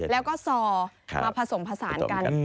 แล้วก็ซอมาผสมผสานกัน